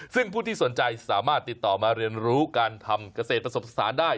ซึ่งผู้ที่สนใจสามารถติดต่อมาเรียนรู้การทำเกษตรประสบสารได้